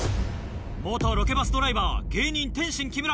元ロケバスドライバー芸人天津・木村